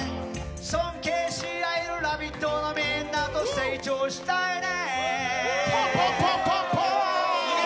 尊敬し合える「ラヴィット！」のみんなと成長したいね。